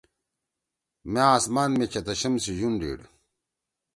مأ اسمان می چتشم سی یون ڈیِڑ۔